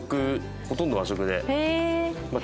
ほとんど和食でまあ